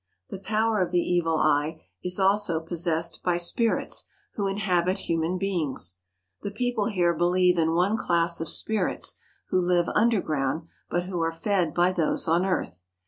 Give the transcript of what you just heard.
The power of the evil eye is also possessed by spirits 81 THE HOLY LAND AND SYRIA who inhabit human beings. The people here believe in one class of spirits who live underground but who are fed by those on earth.